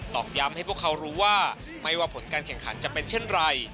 อกย้ำให้พวกเขารู้ว่าไม่ว่าผลการแข่งขันจะเป็นเช่นไร